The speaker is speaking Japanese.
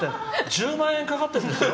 １０万円かかってるんですよ。